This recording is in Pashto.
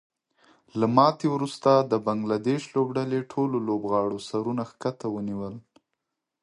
له ماتې وروسته د بنګلادیش لوبډلې ټولو لوبغاړو سرونه ښکته ونیول